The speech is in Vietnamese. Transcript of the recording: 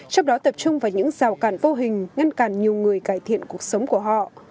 trong đó tập trung vào những rào cản vô hình ngăn cản nhiều người cải thiện cuộc sống của họ